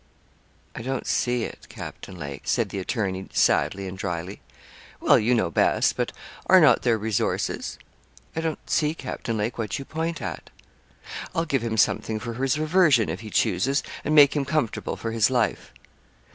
'I don't see it, Captain Lake,' said the attorney, sadly and drily. 'Well, you know best; but are not there resources?' 'I don't see, Captain Lake, what you point at.' 'I'll give him something for his reversion, if he chooses, and make him comfortable for his life.'